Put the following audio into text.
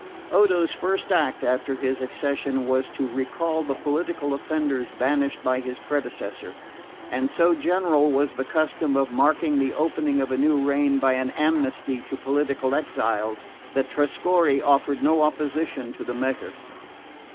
Odo's first act after his accession had been to recall the political offenders banished by his predecessor; and so general was the custom of marking the opening of a new reign by an amnesty to political exiles, that Trescorre offered no opposition to the measure.